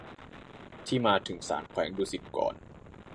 ที่มาถึงศาลแขวงดุสิตก่อน